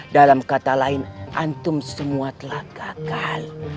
dalam kata lain antum semua telah gagal